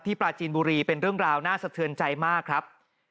ปลาจีนบุรีเป็นเรื่องราวน่าสะเทือนใจมากครับ